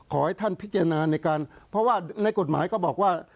ขอให้ท่านพิจารณาในการเพราะว่าในกฎหมายก็บอกว่า